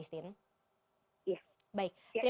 ada data makin besar